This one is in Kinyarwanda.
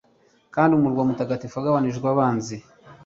kandi umurwa mutagatifu wagabijwe abanzi